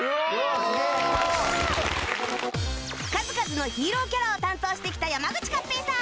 数々のヒーローキャラを担当してきた山口勝平さん